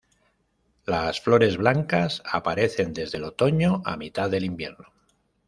Las flores blancas aparecen desde el otoño a mitad del invierno.